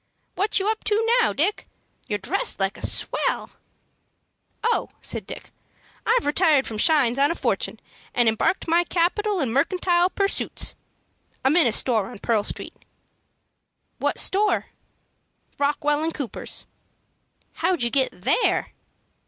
"What you up to now, Dick? You're dressed like a swell." "Oh," said Dick, "I've retired from shines on a fortun', and embarked my capital in mercantile pursuits. I'm in a store on Pearl Street." "What store?" "Rockwell & Cooper's." "How'd you get there?"